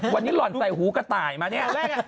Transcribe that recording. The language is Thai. วันนี้หล่อนใส่หูกระต่ายมาเนี่ย